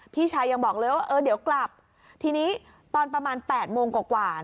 พี่ชายยังบอกเลยว่าเออเดี๋ยวกลับทีนี้ตอนประมาณ๘โมงกว่า